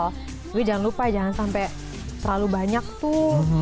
tapi jangan lupa jangan sampai terlalu banyak tuh